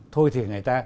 thôi thì người ta